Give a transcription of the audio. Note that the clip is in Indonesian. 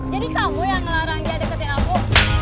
jadi kamu yang ngelarang dia deketin aku